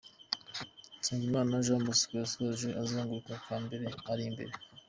h': Nsengimana Jean Bosco yasoje akazenguruko ka mbere ari imbere.